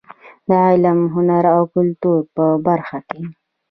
د علم، هنر او کلتور په برخه کې.